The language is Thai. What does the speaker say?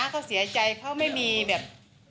เขาเสียใจเขาไม่มีแบบ